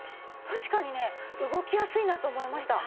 確かにね動きやすいなと思いました。